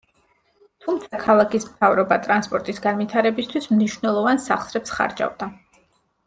თუმცა ქალაქის მთავრობა ტრანსპორტის განვითარებისთვის მნიშვნელოვან სახსრებს ხარჯავდა.